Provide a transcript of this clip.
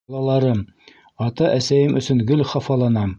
Балаларым, ата-әсәйем өсөн гел хафаланам.